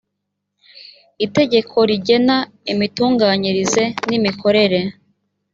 itegeko rigena imitunganyirize n imikorere